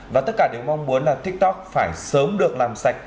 và tất cả đều mong muốn là tiktok phải sớm được làm sạch